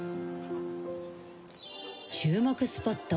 注目スポット